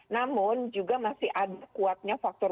namun juga masih ada kuatnya faktor